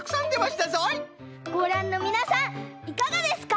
ごらんのみなさんいかがですか？